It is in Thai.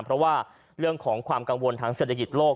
เพราะว่าเรื่องของความกังวลทางเศรษฐกิจโลก